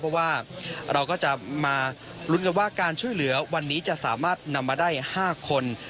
เพราะว่าเราก็จะมาลุ้นกันว่าการช่วยเหลือวันนี้จะสามารถนำมาได้๕คน